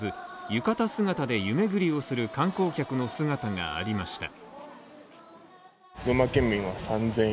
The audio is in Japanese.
浴衣姿で湯巡りをする観光客の姿がありました。